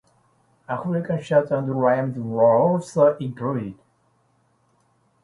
African shouts and rhythms were also included.